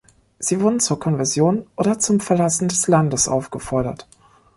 Sie wurden zur Konversion oder zum Verlassen des Landes aufgefordert.